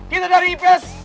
kita dari ips